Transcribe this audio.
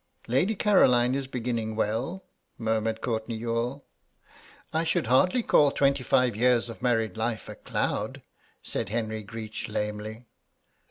"Lady Caroline is beginning well," murmured Courtenay Youghal. "I should hardly call twenty five years of married life a cloud," said Henry Greech, lamely.